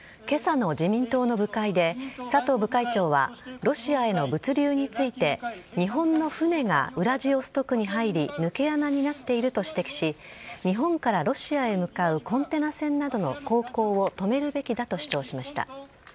けさの自民党の部会で、佐藤部会長は、ロシアへの物流について、日本の船がウラジオストクに入り、抜け穴になっていると指摘し、日本からロシアへ向かうコンテナ船などの航行を止めるべきだと主張しました。